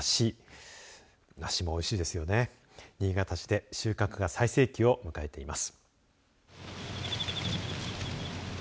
新潟市で収穫が最盛期を迎えています。